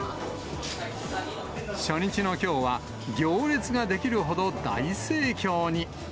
初日のきょうは、行列が出来るほど大盛況に。